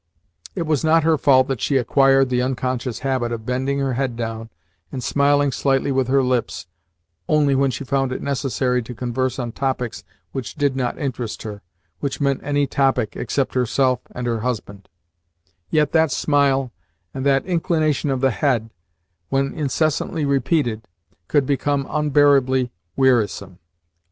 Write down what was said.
It was not her fault that she acquired the unconscious habit of bending her head down and smiling slightly with her lips only when she found it necessary to converse on topics which did not interest her (which meant any topic except herself and her husband); yet that smile and that inclination of the head, when incessantly repeated, could become unbearably wearisome.